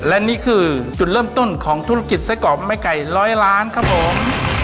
และนี่คือจุดเริ่มต้นของธุรกิจไส้กรอกไม่ไก่ร้อยล้านครับผม